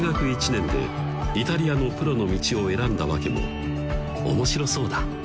１年でイタリアのプロの道を選んだ訳も「面白そうだ」